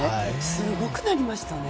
すごくなりましたね。